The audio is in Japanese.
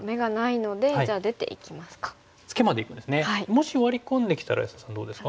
もしワリ込んできたら安田さんどうですか？